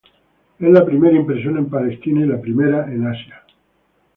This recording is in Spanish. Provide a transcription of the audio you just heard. Es la primera impresión en Palestina y la primera en Asia.